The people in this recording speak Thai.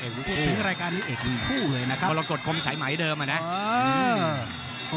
พูดถึงรายการจะเอกทุกคู่เลยนะครับ